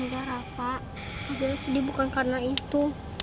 enggak rafa kak bella sedih bukan karena itu